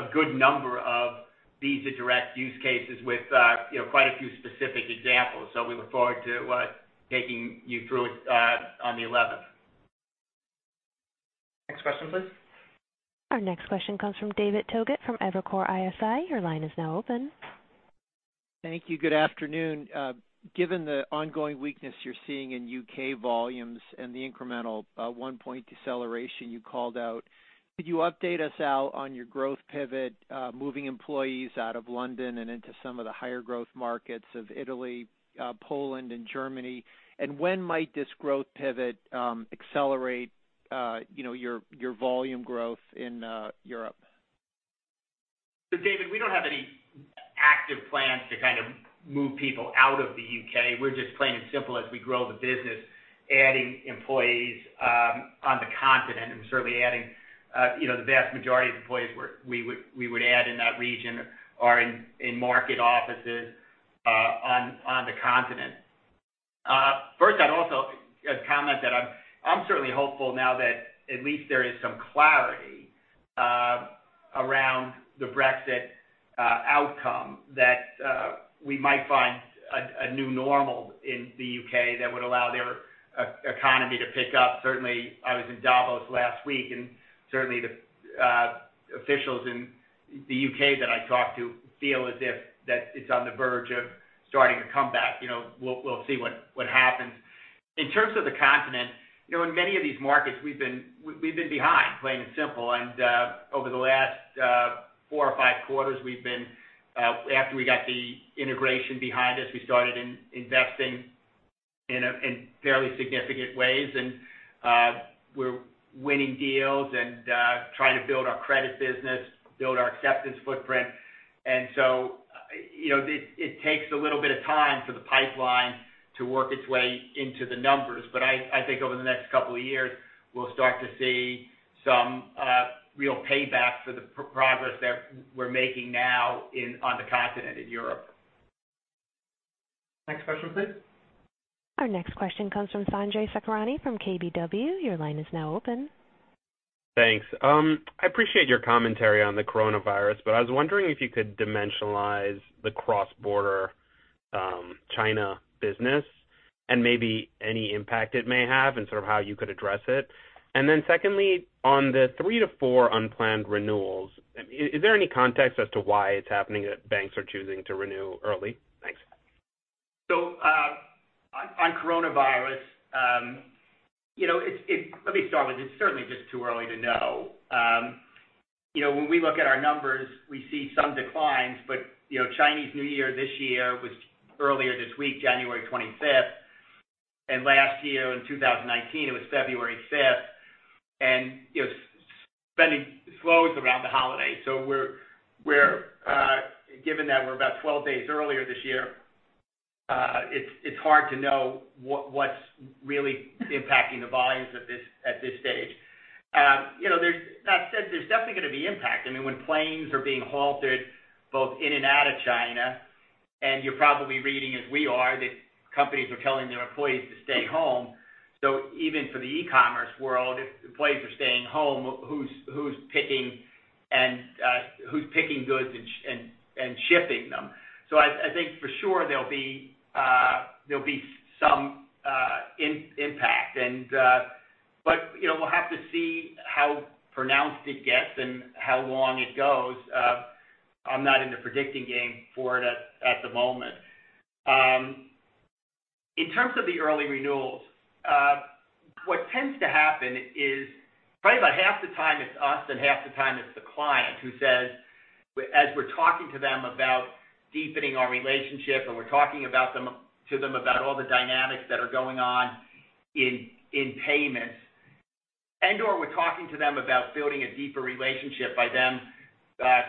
a good number of Visa Direct use cases with quite a few specific examples. We look forward to taking you through it on February 11th. Next question, please. Our next question comes from David Togut from Evercore ISI. Your line is now open. Thank you, good afternoon. Given the ongoing weakness you're seeing in U.K. volumes and the incremental 1 point deceleration you called out, could you update us, Al, on your growth pivot, moving employees out of London and into some of the higher growth markets of Italy, Poland, and Germany? When might this growth pivot accelerate your volume growth in Europe? David, we don't have any active plans to kind of move people out of the U.K. We're just plain and simple as we grow the business, adding employees on the continent and certainly adding the vast majority of employees we would add in that region are in market offices on the continent. First, I'd also comment that I'm certainly hopeful now that at least there is some clarity around the Brexit outcome that we might find a new normal in the U.K. that would allow their economy to pick up. Certainly, I was in Davos last week, and certainly the officials in the U.K. that I talked to feel as if that it's on the verge of starting to come back. We'll see what happens. In terms of the continent, in many of these markets, we've been behind, plain and simple. Over the last four or five quarters, after we got the integration behind us, we started investing in fairly significant ways and we're winning deals and trying to build our credit business, build our acceptance footprint. It takes a little bit of time for the pipeline to work its way into the numbers. I think over the next couple of years, we'll start to see some real payback for the progress that we're making now on the continent in Europe. Next question, please. Our next question comes from Sanjay Sakhrani from KBW. Your line is now open. Thanks. I appreciate your commentary on the coronavirus, but I was wondering if you could dimensionalize the cross-border China business and maybe any impact it may have and sort of how you could address it. Secondly, on the three to four unplanned renewals, is there any context as to why it's happening that banks are choosing to renew early? Thanks. On coronavirus, let me start with this. Certainly just too early to know. When we look at our numbers, we see some declines, but Chinese New Year this year was earlier this week, January 25th. Last year in 2019, it was February 5th. Spending slows around the holiday. Given that we're about 12 days earlier this year, it's hard to know what's really impacting the volumes at this stage. That said, there's definitely going to be impact. When planes are being halted both in and out of China, and you're probably reading, as we are, that companies are telling their employees to stay home. Even for the e-commerce world, if employees are staying home, who's picking goods and shipping them? I think for sure there'll be some impact. We'll have to see how pronounced it gets and how long it goes. I'm not in the predicting game for it at the moment. In terms of the early renewals, what tends to happen is probably about half the time it's us and half the time it's the client who says, as we're talking to them about deepening our relationship, or we're talking to them about all the dynamics that are going on in payments, and/or we're talking to them about building a deeper relationship by them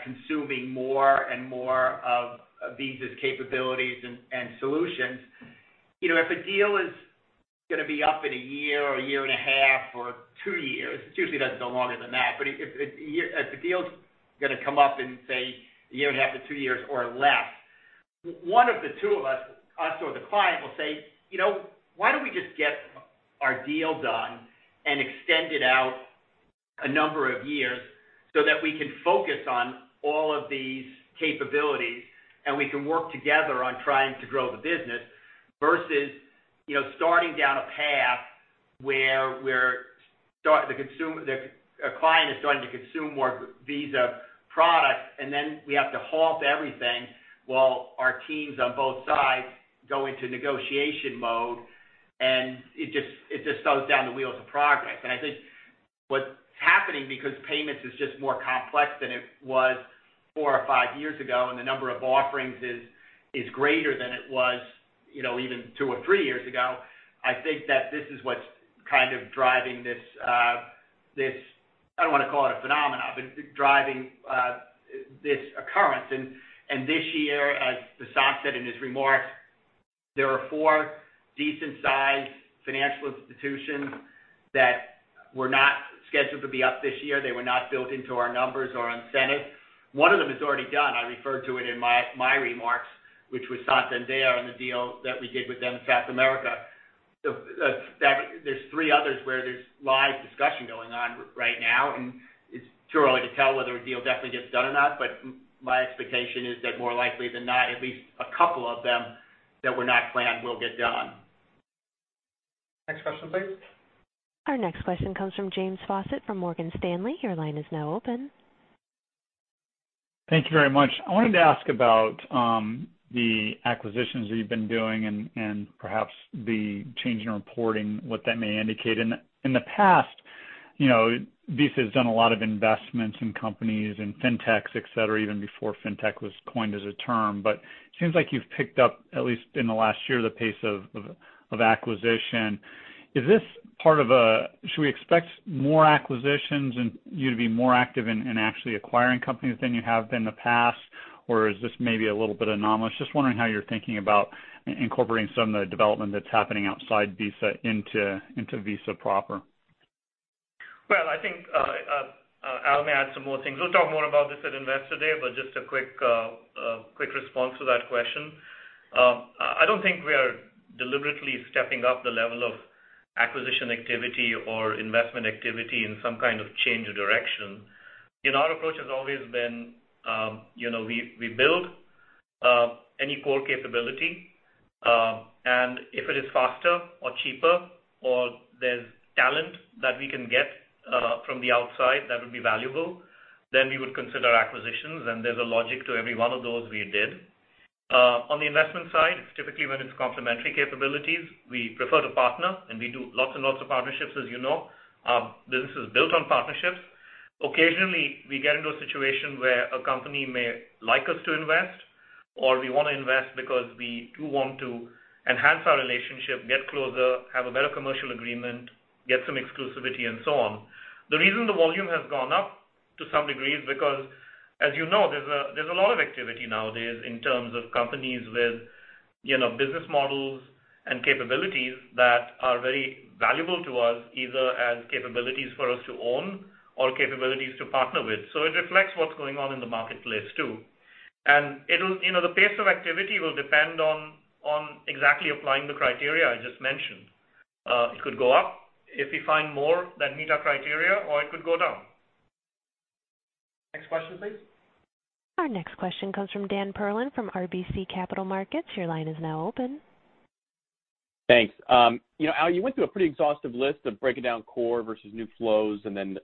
consuming more and more of Visa's capabilities and solutions. If a deal is going to be up in a year or a year and a half or two years, it usually doesn't go longer than that, but if a deal's going to come up in, say, a year and a half to two years or less, one of the two of us or the client, will say, "Why don't we just get our deal done and extend it out a number of years so that we can focus on all of these capabilities, and we can work together on trying to grow the business?" Versus starting down a path where a client is starting to consume more Visa products, and then we have to halt everything while our teams on both sides go into negotiation mode. It just slows down the wheels of progress. I think what's happening, because payments is just more complex than it was four or five years ago, and the number of offerings is greater than it was even two or three years ago. I think that this is what's kind of driving this. I don't want to call it a phenomenon, but driving this occurrence. This year, as Vasant said in his remarks, there are four decent-sized financial institutions that were not scheduled to be up this year. They were not built into our numbers or incentive. One of them is already done. I referred to it in my remarks, which was Santander and the deal that we did with them in South America. There's three others where there's live discussion going on right now. It's too early to tell whether a deal definitely gets done or not. My expectation is that more likely than not, at least a couple of them that were not planned will get done. Next question, please. Our next question comes from James Faucette from Morgan Stanley. Your line is now open. Thank you very much. I wanted to ask about the acquisitions that you've been doing and perhaps the change in reporting, what that may indicate. In the past, Visa has done a lot of investments in companies, in fintechs, etc, even before fintech was coined as a term. It seems like you've picked up, at least in the last year, the pace of acquisition. Should we expect more acquisitions and you to be more active in actually acquiring companies than you have been in the past? Is this maybe a little bit anomalous? Just wondering how you're thinking about incorporating some of the development that's happening outside Visa into Visa proper. I think Al may add some more things. We'll talk more about this at Investor Day. Just a quick response to that question. I don't think we are deliberately stepping up the level of acquisition activity or investment activity in some kind of change of direction. Our approach has always been we build any core capability, and if it is faster or cheaper or there's talent that we can get from the outside that would be valuable, then we would consider acquisitions. There's a logic to every one of those we did. On the investment side, it's typically when it's complementary capabilities. We prefer to partner, and we do lots and lots of partnerships as you know. Business is built on partnerships. Occasionally, we get into a situation where a company may like us to invest, or we want to invest because we do want to enhance our relationship, get closer, have a better commercial agreement, get some exclusivity, and so on. The reason the volume has gone up to some degree is because, as you know, there's a lot of activity nowadays in terms of companies with business models and capabilities that are very valuable to us, either as capabilities for us to own or capabilities to partner with. It reflects what's going on in the marketplace, too. The pace of activity will depend on exactly applying the criteria I just mentioned. It could go up if we find more that meet our criteria, or it could go down. Next question, please. Our next question comes from Dan Perlin from RBC Capital Markets. Your line is now open. Thanks. Al, you went through a pretty exhaustive list of breaking down core versus new flows and then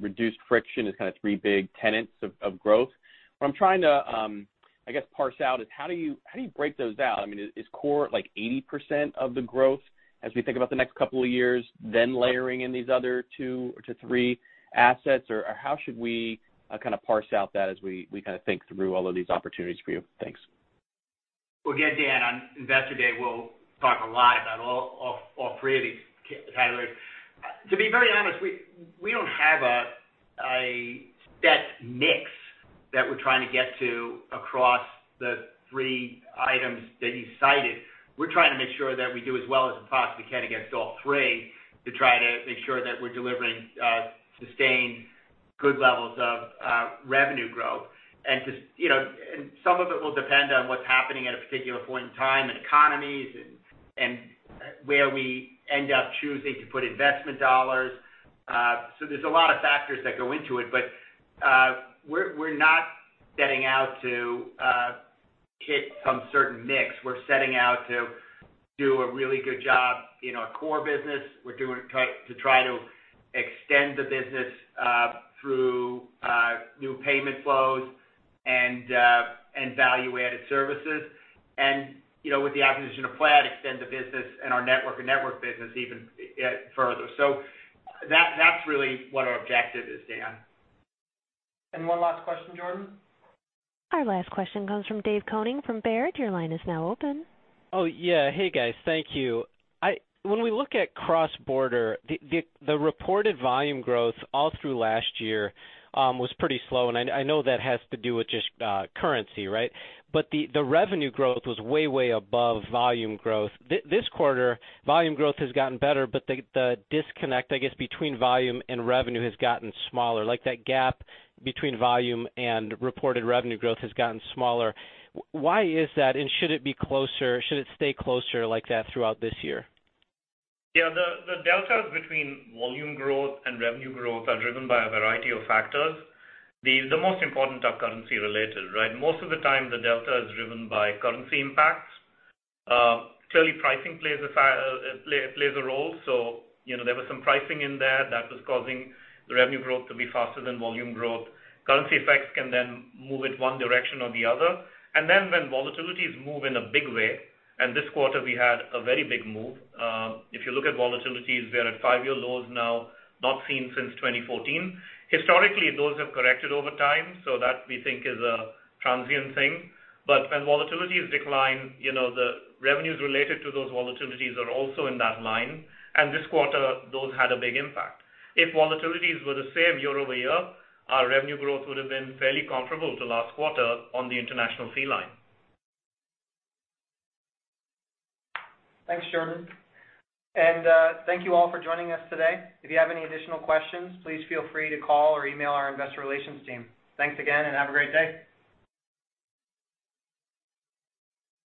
reduced friction as kind of three big tenets of growth. What I'm trying to, I guess, parse out is how do you break those down? I mean, is core 80% of the growth as we think about the next couple of years, then layering in these other two to three assets? How should we kind of parse out that as we kind of think through all of these opportunities for you? Thanks. Again, Dan, on Investor Day, we'll talk a lot about all three of these pillars. To be very honest, we don't have a set mix that we're trying to get to across the three items that you cited. We're trying to make sure that we do as well as we possibly can against all three to try to make sure that we're delivering sustained good levels of revenue growth. Some of it will depend on what's happening at a particular point in time in economies and where we end up choosing to put investment dollars. There's a lot of factors that go into it. We're not setting out to hit some certain mix. We're setting out to do a really good job in our core business. We're doing to try to extend the business through new payment flows and value-added services. With the acquisition of Plaid, extend the business and our network and network business even further. That's really what our objective is, Dan. One last question, Jordan. Our last question comes from David Koning from Baird. Your line is now open. Hey, guys. Thank you. When we look at cross-border, the reported volume growth all through last year was pretty slow, I know that has to do with just currency, right? The revenue growth was way above volume growth. This quarter, volume growth has gotten better, the disconnect, I guess, between volume and revenue has gotten smaller. Like that gap between volume and reported revenue growth has gotten smaller. Why is that? Should it be closer? Should it stay closer like that throughout this year? The deltas between volume growth and revenue growth are driven by a variety of factors. The most important are currency related, right? Most of the time, the delta is driven by currency impacts. Clearly, pricing plays a role. There was some pricing in there that was causing the revenue growth to be faster than volume growth. Currency effects can then move it one direction or the other. When volatilities move in a big way, and this quarter we had a very big move. If you look at volatilities, we are at five-year lows now, not seen since 2014. Historically, those have corrected over time, so that, we think, is a transient thing. When volatilities decline, the revenues related to those volatilities are also in that line, and this quarter, those had a big impact. If volatilities were the same year-over-year, our revenue growth would have been fairly comparable to last quarter on the international fee line. Thanks, Jordan. Thank you all for joining us today. If you have any additional questions, please feel free to call or email our investor relations team. Thanks again, and have a great day.